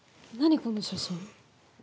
この写真。